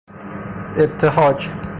اِبتهاج